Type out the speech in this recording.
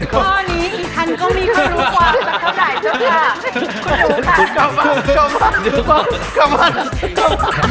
ข้อนี้อีกทันก็มีคนรู้กว่า